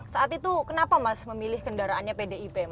saat itu kenapa mas memilih kendaraannya pdip mas